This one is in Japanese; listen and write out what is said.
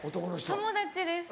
友達です。